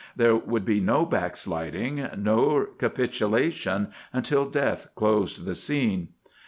There would be no backsliding nor capitulation until death closed the scene.